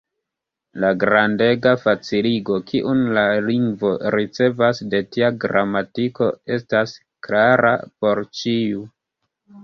La grandega faciligo, kiun la lingvo ricevas de tia gramatiko, estas klara por ĉiu.